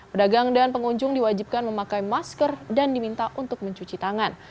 pedagang dan pengunjung diwajibkan memakai masker dan diminta untuk mencuci tangan